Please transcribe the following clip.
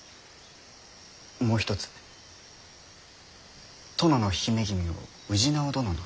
もう一つ殿の姫君を氏直殿の妻にと。